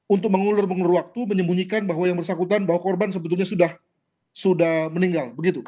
untuk mengulur mengulur waktu menyembunyikan bahwa yang bersangkutan bahwa korban sebetulnya sudah meninggal